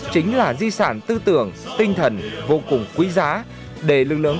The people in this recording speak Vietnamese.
chính là di sản tư tưởng tinh thần vô tình